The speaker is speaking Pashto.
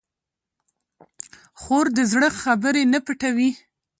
خور د زړه خبرې نه پټوي.